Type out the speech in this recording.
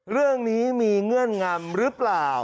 เรื่องนี้มีเงื่อนงำหรือเปล่า